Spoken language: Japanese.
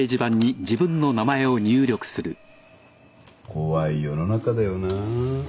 怖い世の中だよなぁ。